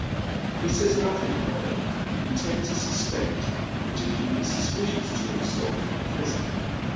He says nothing, however, content to suspect, and to keep his Buspicions to himself for the present.